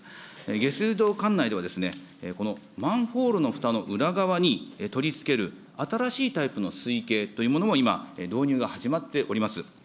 下水道管内では、このマンホールのふたの裏側に取り付ける、新しいタイプの水位計というものも今、導入が始まっております。